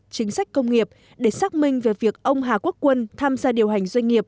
chính sách công nghiệp để xác minh về việc ông hà quốc quân tham gia điều hành doanh nghiệp